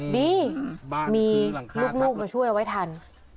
ดีมีลูกมาช่วยเอาไว้ทัน